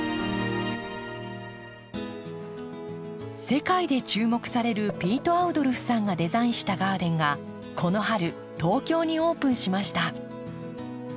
世界で注目されるピート・アウドルフさんがデザインしたガーデンがこの春東京にオープンしました。